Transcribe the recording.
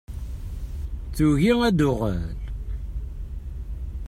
Tugi ad d-tuɣal.